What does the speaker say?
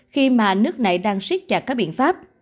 khi mà nước này đang siết chặt các biện pháp